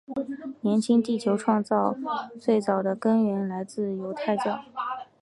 年轻地球创造论最早的根源来自犹太教。